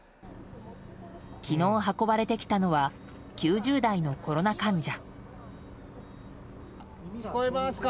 昨日、運ばれてきたのは９０代のコロナ患者。